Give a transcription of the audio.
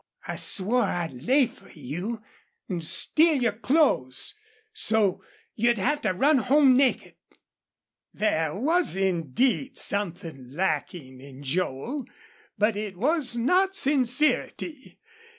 "I swore I'd lay fer you an' steal your clothes so you'd have to run home naked." There was indeed something lacking in Joel, but it was not sincerity.